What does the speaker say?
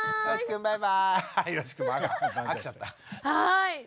はい。